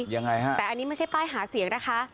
ยังไงฮะแต่อันนี้ไม่ใช่ป้ายหาเสียงนะคะ